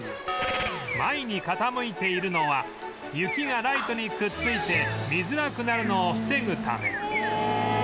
前に傾いているのは雪がライトにくっついて見づらくなるのを防ぐため